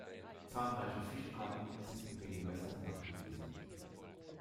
Zahlreiche Fischarten sind in den Gewässern nachgewiesen.